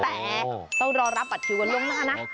แต่ต้องรอรับปัจเชียววันลงนะคะนะ